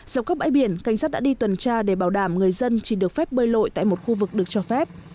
dọc các bãi biển cảnh sát đã đi tuần tra để bảo đảm người dân chỉ được phép bơi lội tại một khu vực được cho phép